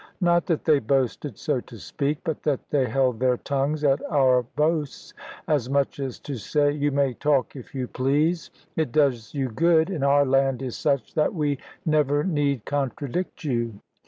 Not that they boasted, so to speak, but that they held their tongues at our boasts; as much as to say, "You may talk if you please; it does you good; and our land is such that we never need contradict you."